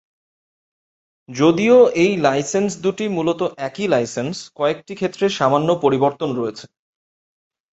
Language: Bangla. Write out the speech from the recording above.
যদিও এই লাইসেন্স দুটি মূলত একই লাইসেন্স, কয়েকটি ক্ষেত্রে সামান্য পরিবর্তন রয়েছে।